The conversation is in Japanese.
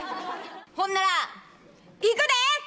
ほんならいくで！